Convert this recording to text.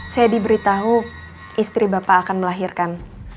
saya diberitahu istri bapak akan melahirkan